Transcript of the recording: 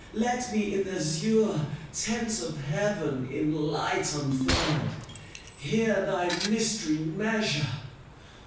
Let me in the azure Tent of Heaven, in light unfurled, Here thy Mystery measure!